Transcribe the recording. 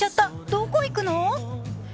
どこ行くの？